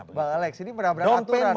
bang alex ini menabrak aturan